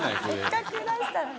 せっかく出したのに。